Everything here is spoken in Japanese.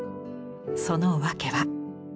その訳は。